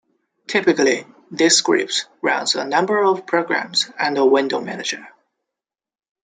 Typically, this script runs a number of programs and a window manager.